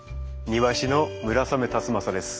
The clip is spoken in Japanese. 庭師の村雨辰剛です。